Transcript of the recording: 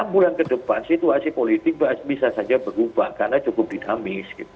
enam bulan ke depan situasi politik bisa saja berubah karena cukup dinamis